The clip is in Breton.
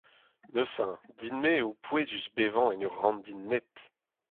Neuze din-me eo pouezus bevañ en ur ranndi naet !